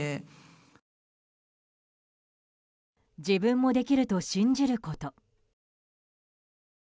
自分もできると信じること。